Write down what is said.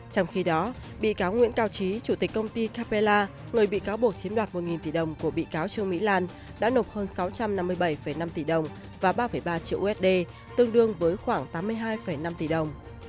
trong khi đó bị cáo nguyễn cao trí chủ tịch công ty capella người bị cáo buộc chiếm đoạt một tỷ đồng của bị cáo trương mỹ lan đã nộp hơn sáu trăm năm mươi bảy năm tỷ đồng và ba ba triệu usd tương đương với khoảng tám mươi hai năm tỷ đồng